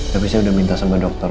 tapi saya udah minta sama dokter